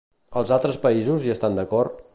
Els altres països hi estan d'acord?